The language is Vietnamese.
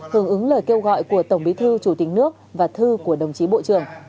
hưởng ứng lời kêu gọi của tổng bí thư chủ tịch nước và thư của đồng chí bộ trưởng